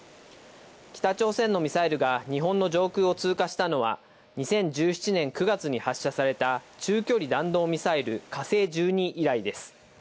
北朝鮮のミサイルが日本の上空を通過したのは、２０１７年９月に発射された中距離弾道ミサイル火星１２以来です。